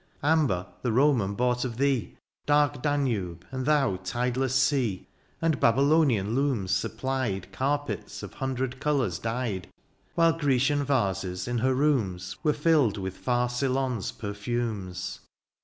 Amber the Roman bought of thee. Dark Danube, and thou tideless sea ; And Babylonian looms supplied Carpets of himdred colours dyed ; While Grecian vases in her rooms Were fiUed with far Ceylon's perfumes.